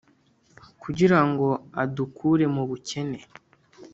kugirango adukure mubukene,